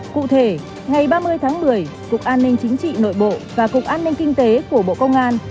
cụ thể ngày ba mươi tháng một mươi cục an ninh chính trị nội bộ và cục an ninh kinh tế của bộ công an